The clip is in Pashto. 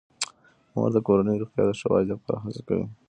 مور د کورنۍ روغتیا د ښه والي لپاره هڅه کوي.